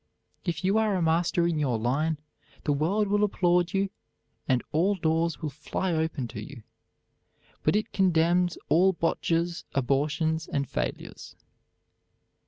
If you are a master in your line, the world will applaud you and all doors will fly open to you. But it condemns all botches, abortions, and failures.